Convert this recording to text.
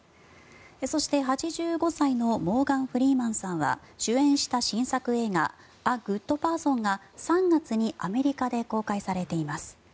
そして、８５歳のモーガン・フリーマンさんは主演した新作映画「ＡＧｏｏｄＰｅｒｓｏｎ」が３月にアメリカで公開されています。